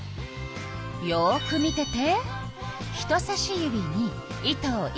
よく見てて。